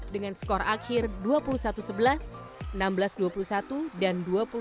dengan skor akhir dua puluh satu sebelas enam belas dua puluh satu dan dua puluh satu enam belas